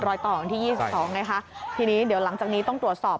รอยต่ออย่างที่๒๒นะคะทีนี้เดี๋ยวหลังจากนี้ต้องตรวจสอบ